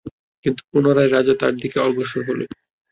কিন্তু পুনরায় রাজা তার দিকে অগ্রসর হলো।